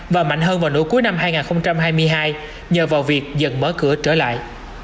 và mạnh hơn vào nửa cuối năm hai nghìn hai mươi hai nhờ vào việc dần mở cửa trở lại